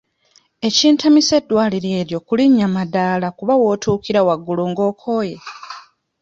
Ekintamisa eddwaliro eryo kulinnya madaala kuba w'otuukira waggulu ng'okooye.